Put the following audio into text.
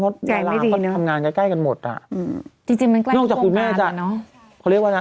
ใกล้ไม่ดีเนอะเพราะล้างมันทำงานใกล้กันหมด